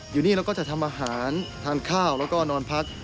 อยู่นี่เราก็จะทำอาหารทานข้าวแล้วก็นอนพัก